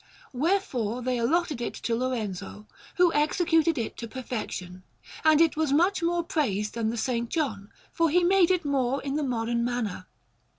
Wherefore they allotted it to Lorenzo, who executed it to perfection; and it was much more praised than the S. John, for he made it more in the modern manner.